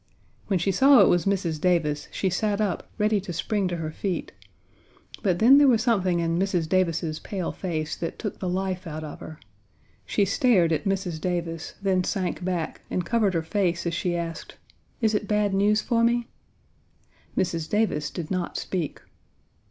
When she saw it was Mrs. Davis, she sat up, ready to spring to her feet, but then there was something in Mrs. Davis's pale face that took the life out of her. She stared at Mrs. Davis, then sank back, and covered her face as she asked: "Is it bad news for me?" Mrs. Davis did not speak.